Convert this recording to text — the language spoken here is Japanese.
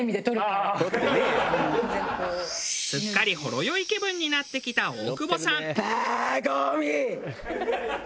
すっかりほろ酔い気分になってきた大久保さん。